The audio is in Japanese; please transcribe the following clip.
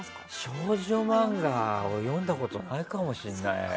少女漫画は読んだことないかもしれないね。